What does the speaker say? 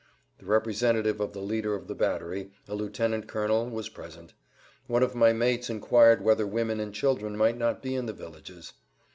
The representative of the leader of the battery, a lieutenant colonel, was present. One of my mates inquired whether women and children might not be in the villages.